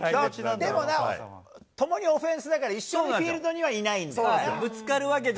でもな、ともにオフェンスだから、一緒のフィールドにはいないんだよな？